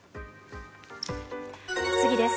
次です。